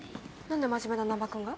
何で真面目な難破君が？